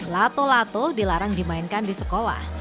lato lato dilarang dimainkan di sekolah